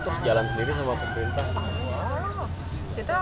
terus jalan sendiri sama pemerintah semua